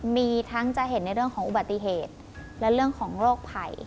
มีทั้งจะเห็นในเรื่องของอุบัติเหตุและเรื่องของโรคไผ่